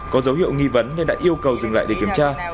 có dấu hiệu nghi vấn nên đã yêu cầu dừng lại để kiểm tra